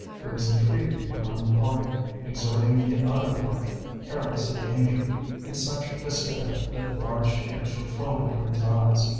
He was entreating the one party, exhorting the other party, careless of danger, in such despair that large tears were flowing from his eyes.